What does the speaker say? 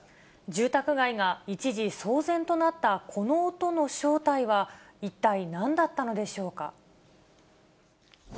住宅街が一時、騒然となったこの音の正体は、一体なんだったのでしょうか。